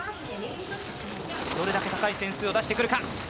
どれだけ高い点数を出してくるか。